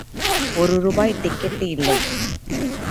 ஒரு ரூபாய் டிக்கட்டு இல்லை.